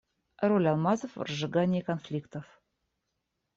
Роль алмазов в разжигании конфликтов.